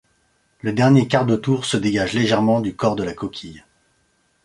Le dernier quart de tour se dégage légèrement du corps de la coquille.